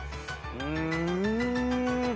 うん。